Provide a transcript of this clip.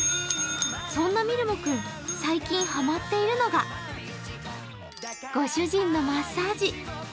そんなみるも君、最近ハマッているのがご主人のマッサージ。